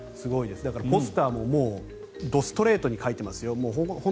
ですから、ポスターもドストレートに書いてますよ。